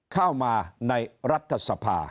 เข้ามาในรัฐสภา